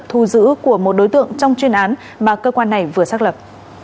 thu giữ của một đối tượng trong chuyên án mà cơ quan này vừa xác lập